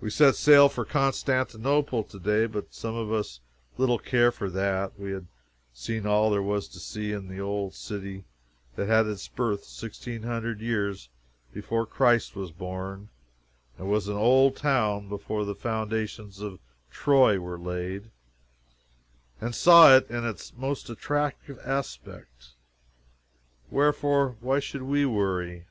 We set sail for Constantinople to day, but some of us little care for that. We have seen all there was to see in the old city that had its birth sixteen hundred years before Christ was born, and was an old town before the foundations of Troy were laid and saw it in its most attractive aspect. Wherefore, why should we worry?